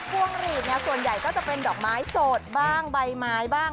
พวงหลีดเนี่ยส่วนใหญ่ก็จะเป็นดอกไม้สดบ้างใบไม้บ้าง